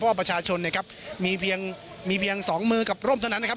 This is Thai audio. เพราะว่าประชาชนเนี่ยครับมีเพียง๒มือกับร่วมเท่านั้นนะครับ